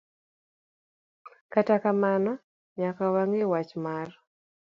Kata kamano nyaka wang'i wach mar